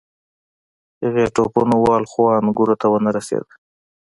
هغې ټوپونه ووهل خو انګورو ته ونه رسیده.